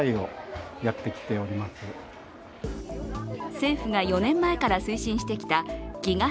政府が４年前から推進してきたＧＩＧＡ